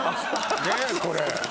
ねっこれ。